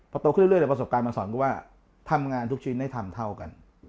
พอโตขึ้นเรื่อยประสบการณ์มันสอนเพราะว่าทำงานทุกชิ้นให้ทำเท่ากัน